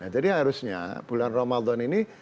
jadi harusnya bulan ramadan ini